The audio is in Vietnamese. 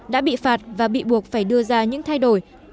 đã bị phạt và bị buộc phải đưa ra những thay đổi